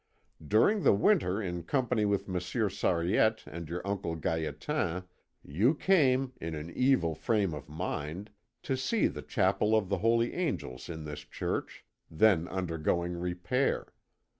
During the winter in company with Monsieur Sariette and your Uncle Gaétan, you came, in an evil frame of mind, to see the Chapel of the Holy Angels in this church, then undergoing repair.